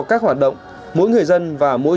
các hoạt động mỗi người dân và mỗi